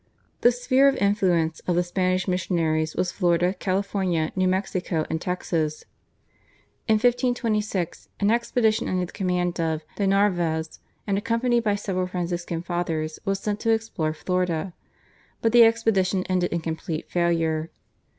The sphere of influence of the Spanish missionaries was Florida, California, New Mexico, and Texas. In 1526 an expedition under the command of de Narvaez and accompanied by several Franciscan Fathers was sent to explore Florida, but the expedition ended in complete failure.